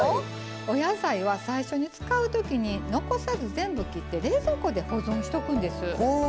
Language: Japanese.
お野菜は最初に使う時に残さず全部切って冷蔵庫で保存しとくんです。